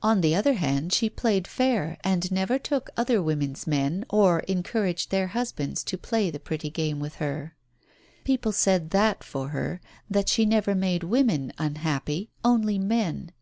On the other hand, she played fair and never took other women's men, or encouraged their husbands to play the pretty game with her. People said that for her, that she never made women unhappy, only men.